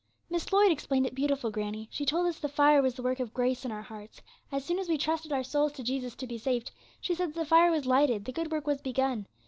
'Miss Lloyd explained it beautiful, granny. She told us the fire was the work of grace in our hearts. As soon as we trusted our souls to Jesus to be saved, she said that fire was lighted, the good work was begun.